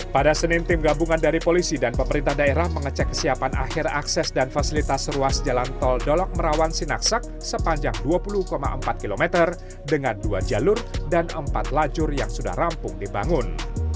pada senin tim gabungan dari polisi dan pemerintah daerah mengecek kesiapan akhir akses dan fasilitas ruas jalan tol dolok merawan sinaksak sepanjang dua puluh empat km dengan dua jalur dan empat lajur yang sudah rampung dibangun